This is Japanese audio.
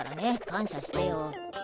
感謝してよ。